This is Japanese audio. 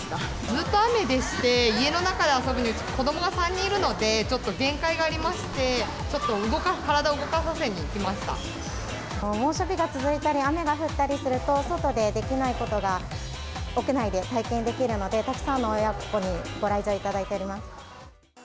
ずっと雨でして、家の中で遊ぶのに子どもが３人いるので、ちょっと限界がありまして、猛暑日が続いたり、雨が降ったりすると、外でできないことが屋内で体験できるので、たくさんの親子にご来場いただいております。